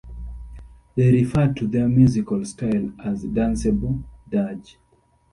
They referred to their musical style as "danceable dirge".